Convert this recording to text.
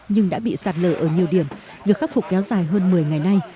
nhưng đã bị sạt lở ở nhiều điểm việc khắc phục kéo dài hơn một mươi ngày nay